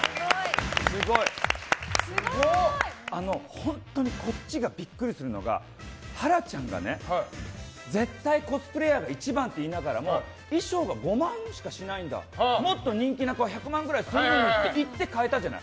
本当にこっちがビックリするのがハラちゃんがね絶対コスプレイヤーが一番って言いながらも衣装が５万しかしないんだもっと人気な子は１００万ぐらいするのにって言って変えたじゃない。